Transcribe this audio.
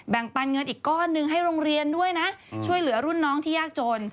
ปันเงินอีกก้อนหนึ่งให้โรงเรียนด้วยนะช่วยเหลือรุ่นน้องที่ยากจน